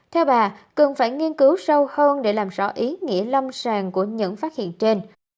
theo bà cần phải nghiên cứu sâu hơn để làm rõ ý nghĩa lâm sàng của những phát hiện trên